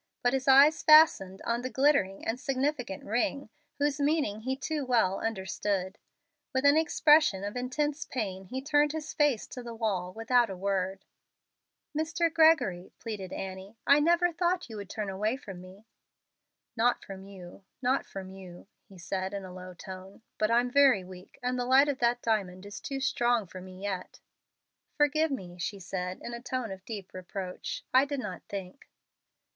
But his eyes fastened on the glittering and significant ring, whose meaning he too well understood. With an expression of intense pain he turned his face to the wall without a word. "Mr. Gregory," pleaded Annie, "I never thought you would turn away from me." "Not from you, not from you," he said, in a low tone, "but I'm very weak, and the light of that diamond is too strong for me yet." "Forgive me," she said, in a tone of deep reproach; "I did not think."